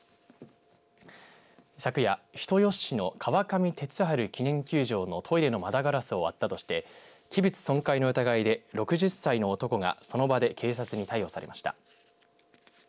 昨夜、人吉市の川上哲治記念球場のトイレの窓ガラスを割ったとして器物損壊の疑いで、６０歳の男がその場で警察に逮捕されました。